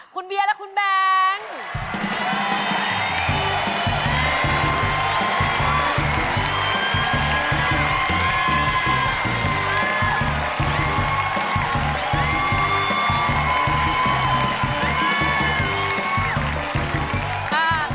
คุณเบียร์และคุณแบงค์